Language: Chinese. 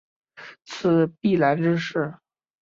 此必然之势。